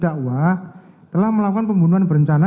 kuhp mengenai pembunuhan berencana